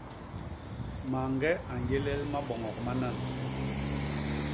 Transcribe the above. Mañge a nyelel maboñok manan.